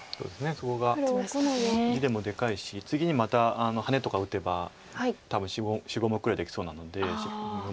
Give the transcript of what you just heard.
そこが地でもでかいし次にまたハネとか打てば多分４５目ぐらいできそうなので。